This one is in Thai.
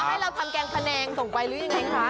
ให้เราทำแกงพะแนงส่งไปหรือยังไงคะ